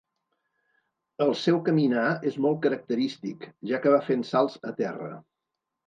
El seu caminar és molt característic, ja que va fent salts a terra.